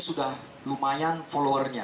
sudah lumayan followernya